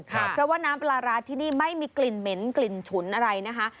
เพราะว่าน้ำปลาร้าที่นี่ไม่มีกลิ่นเหม็นกลิ่นฉุนอะไรนะคะ